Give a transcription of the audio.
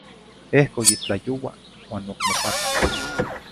Ehco yi tlayoua uan oc mopaca